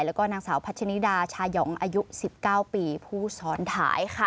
แล้วก็นางสาวพัชนิดาชายองอายุ๑๙ปีผู้ซ้อนท้ายค่ะ